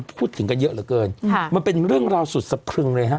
พูดถึงกันเยอะเหลือเกินค่ะมันเป็นเรื่องราวสุดสะพรึงเลยฮะ